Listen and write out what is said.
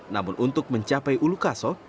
namun untuk mencapai ulu kaso